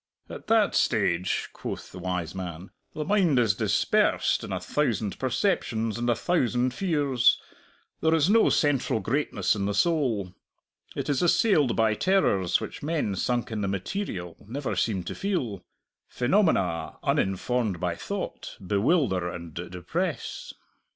"At that stage," quoth the wise man, "the mind is dispersed in a thousand perceptions and a thousand fears; there is no central greatness in the soul. It is assailed by terrors which men sunk in the material never seem to feel. Phenomena, uninformed by thought, bewilder and depress."